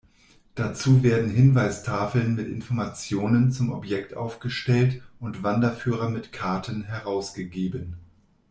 Dazu werden Hinweistafeln mit Informationen zum Objekt aufgestellt und Wanderführer mit Karten herausgegeben.